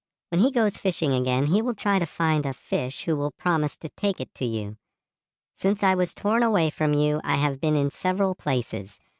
When he goes fishing again he will try to find a fish who will promise to take it to you. Since I was torn away from you I have been in several places.